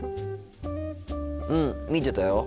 うん見てたよ。